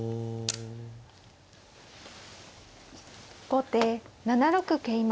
後手７六桂馬。